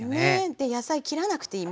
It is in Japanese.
で野菜切らなくていい。